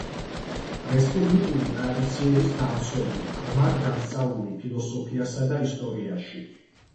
რესპუბლიკური ტრადიციების დამცველი; ღრმად განსწავლული ფილოსოფიასა და ისტორიაში.